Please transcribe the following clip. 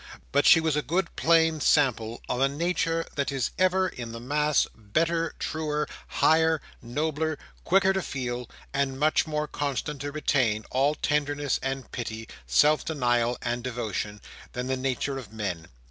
But she was a good plain sample of a nature that is ever, in the mass, better, truer, higher, nobler, quicker to feel, and much more constant to retain, all tenderness and pity, self denial and devotion, than the nature of men.